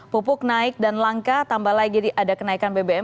pupuk naik dan langka tambah lagi ada kenaikan bbm